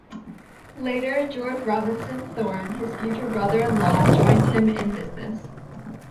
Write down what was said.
Later, George Robinson Thorne, his future brother-in-law, joined him in his business.